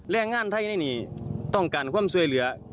และง่านเท่านี้ต้องการความโซ่เหลือ